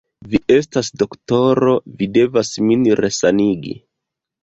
Vi estas doktoro, vi devas min resanigi.